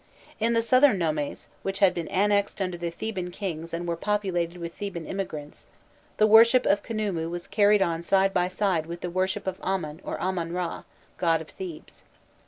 In the southern nomes, which had been annexed under the Theban kings and were peopled with Theban immigrants, the worship of Khnûmû was carried on side by side with the worship of Amon, or Amon Ra, god of Thebes.